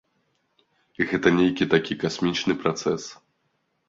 Гэта нейкі такі касмічны працэс.